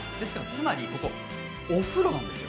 つまりここ、お風呂なんです。